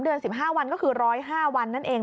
เดือน๑๕วันก็คือ๑๐๕วันนั่นเอง